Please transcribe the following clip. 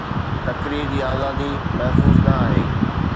تقرير جي آزادي محفوظ نه آهي.